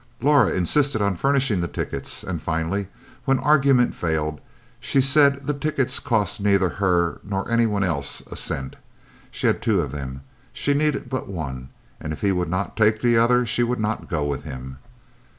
Laura insisted on furnishing the tickets; and finally, when argument failed, she said the tickets cost neither her nor any one else a cent she had two of them she needed but one and if he would not take the other she would not go with him.